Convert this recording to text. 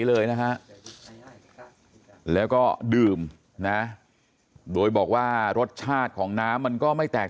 เลยนะฮะแล้วก็ดื่มนะโดยบอกว่ารสชาติของน้ำมันก็ไม่แตก